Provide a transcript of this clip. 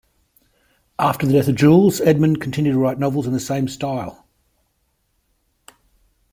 After the death of Jules, Edmond continued to write novels in the same style.